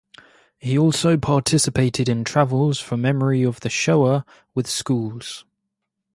He also participated in travels for memory of the Shoah with schools.